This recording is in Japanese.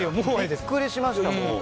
びっくりしました。